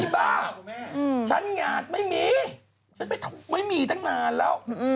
บ้าฉันงานไม่มีฉันไม่มีตั้งนานแล้ว